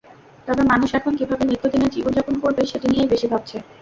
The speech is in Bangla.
তবে মানুষ এখন কীভাবে নিত্যদিনের জীবন যাপন করবে, সেটি নিয়েই বেশি ভাবছে।